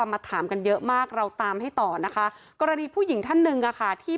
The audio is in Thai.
มาถามกันเยอะมากเราตามให้ต่อนะคะกรณีผู้หญิงท่านหนึ่งอ่ะค่ะที่